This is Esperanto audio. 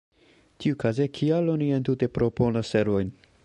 Tiukaze, kial oni entute proponas servojn?